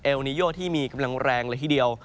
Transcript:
นิโยที่มีกำลังแรงเลยทีเดียว